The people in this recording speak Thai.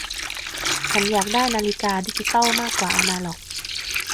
ฉันอยากได้นาฬิกาดิจิตอลมากกว่าอนาล็อก